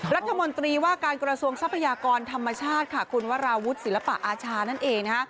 รัฐธรรมนตรีว่าการกรสวงศพยากรธรรมชาติค้าคุณวราวุฒิศศิลปอาชานั่นเอง